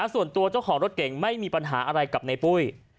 ส่วนตัวเจ้าของรถเก่งไม่มีปัญหาอะไรกับในปุ้ย